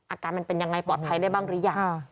อาการมันเป็นยังไงปลอดภัยได้บ้างหรือยัง